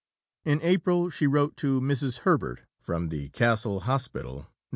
"In April," she wrote to Mrs. Herbert from the Castle Hospital (Nov.